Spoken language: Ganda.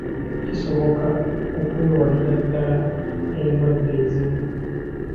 Kisoboka okwewalira ddaala endwadde ezimu.